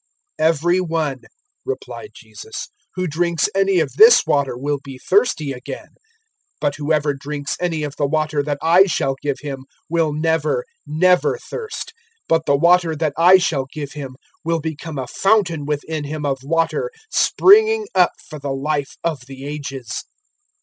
004:013 "Every one," replied Jesus, "who drinks any of this water will be thirsty again; 004:014 but whoever drinks any of the water that I shall give him will never, never thirst. But the water that I shall give him will become a fountain within him of water springing up for the Life of the Ages."